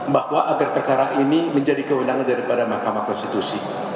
bahwa agar perkara ini menjadi kewenangan daripada mahkamah konstitusi